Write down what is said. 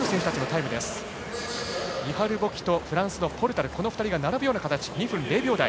イハル・ボキとフランスのポルタルが並ぶような形、２分０秒台。